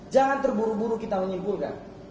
jangan terburu buru kita menyimpulkan